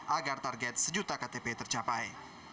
agar target sejuta ktp tercapai